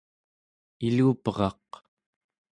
iluperaq